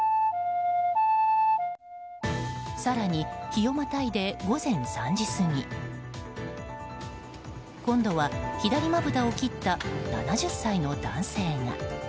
更に、日をまたいで午前３時過ぎ今度は、左まぶたを切った７０歳の男性が。